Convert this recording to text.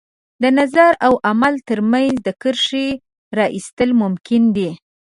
د نظر او عمل تر منځ د کرښې را ایستل ممکن دي.